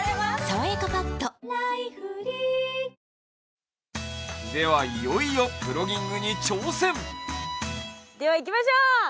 「さわやかパッド」では、いよいよプロギングに挑戦では行きましょう。